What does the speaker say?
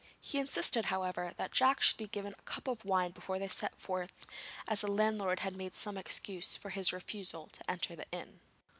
He insisted, however, that Jack should be given a cup of wine before they set forth, as the landlord had made some excuse for his refusal to enter the inn.